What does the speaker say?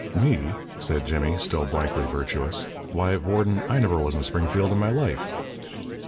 "Me?" said Jimmy, still blankly virtuous. "Why, warden, I never was in Springfield in my life!"